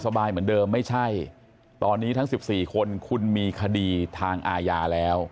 สบายเหมือนเดิมไม่ใช่ตอนนี้ทั้ง๑๔คนคุณมีคดีทางอาญาแล้ว